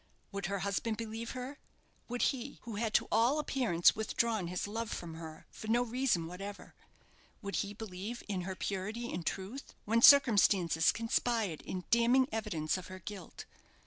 Would her husband believe her? Would he, who had to all appearance withdrawn his love from her for no reason whatever would he believe in her purity and truth, when circumstances conspired in damning evidence of her guilt?